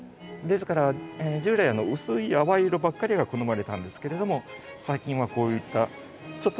ですから従来薄い淡い色ばっかりが好まれたんですけれども最近はこういったちょっとした冒険した色。